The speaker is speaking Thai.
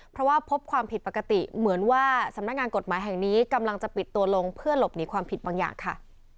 เพราะว่าพบความผิดปกติเหมือนว่าสำนักงานกฎหมายแห่งนี้กำลังจะปิดตัวลงเพื่อหลบหนีความผิดบางอย่างค่ะ